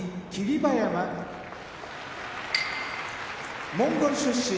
馬山モンゴル出身